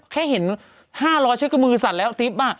แค่เห็น๕๐๐เชื่อกมือสั่นแล้วจิ๊บ